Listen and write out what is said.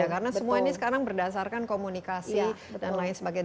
karena semua ini sekarang berdasarkan komunikasi dan lain sebagainya